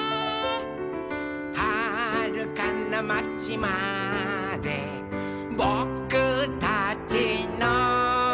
「はるかなまちまでぼくたちの」